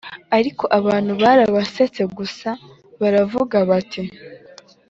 ariko abantu barabasetse gusa, baravuga bati: